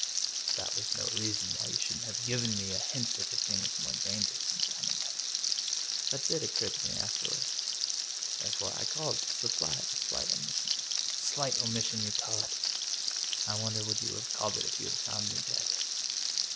" That was no reason why you shouldn't have given me a hint that the thing was more dangerous than dynamite." " That did occur to me afterwards. Therefore I called to supply the slight omission." " Slight omission, you call it! I wonder what you would have called it if you had found me dead."